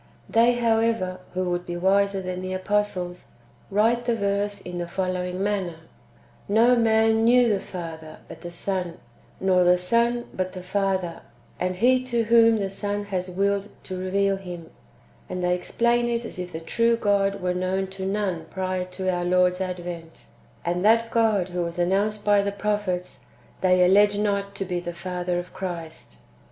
They, how^ever, who would be wiser than the apostles, write [the verse] in the following manner :" Xo man hieic the Father, but the Son ; nor the Son, but the Father, and he to whom the Son has Milled to reveal [Him] ;" and they explain it as if the true God were known to none prior to our Lord's advent ; and that God who was announced by the prophets, they allege not to be the Father of Christ.